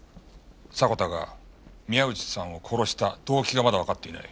迫田が宮内さんを殺した動機がまだわかっていない。